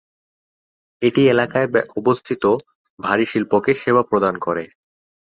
এটি এলাকায় অবস্থিত ভারী শিল্পকে সেবা প্রদান করে।